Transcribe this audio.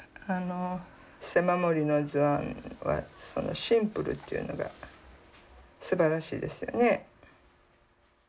背守りの図案はシンプルっていうのがすばらしいですよね。